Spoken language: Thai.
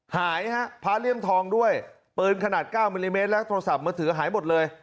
หายฮะพระเลี่ยมทองด้วยปืนขนาด๙มิลลิเมตรและโทรศัพท์มือถือหายหมดเลย